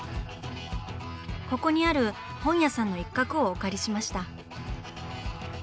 ここにある本屋さんの一角をお借りしました。